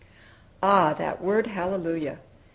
Ah, that word "Hallelujah!"